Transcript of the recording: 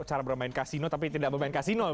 cara bermain kasino tapi tidak bermain kasino